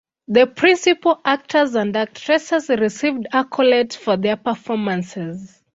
The principal actors and actresses received accolades for their performances.